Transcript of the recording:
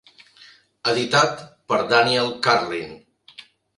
Editat per Daniel Karlin.